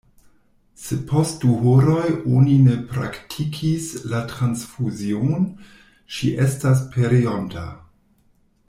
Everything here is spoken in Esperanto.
Se post du horoj oni ne praktikis la transfuzion, ŝi estas pereonta.